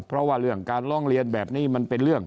เพราะว่าเรื่องการร้องเรียนแบบนี้มันเป็นเรื่อง